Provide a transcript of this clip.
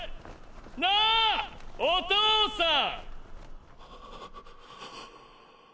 なァお父さん。